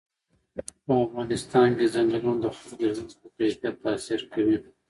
په افغانستان کې چنګلونه د خلکو د ژوند په کیفیت تاثیر کوي.